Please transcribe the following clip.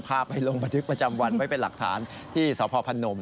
พาไปลงบันทึกประจำวันไว้เป็นหลักฐานที่สพพนม